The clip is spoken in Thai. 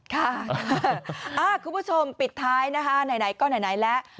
คุณผู้ชมปิดท้ายนะคะไหนก็ไหนแล้ว